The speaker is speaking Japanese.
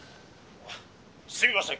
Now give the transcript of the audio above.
「すみません」。